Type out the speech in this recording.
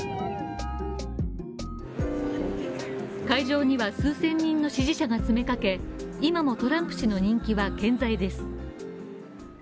会場には数千人の支持者が詰めかけ、今もトランプ氏の人気は健在です。